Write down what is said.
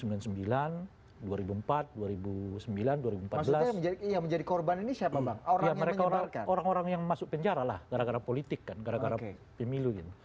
maksudnya yang menjadi korban ini siapa bang orang yang menyebarkan orang orang yang masuk penjara lah gara gara politik kan gara gara pemilu ini